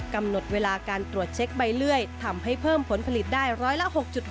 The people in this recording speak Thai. กำหนดเวลาการตรวจเช็คใบเลื่อยทำให้เพิ่มผลผลิตได้ร้อยละ๖๖